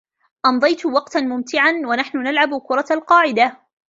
أمضينا وقتاً ممتعاً و نحن نلعب كرة القاعدة.